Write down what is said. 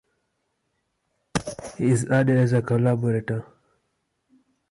He is added as a collaborator.